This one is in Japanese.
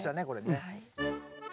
これね。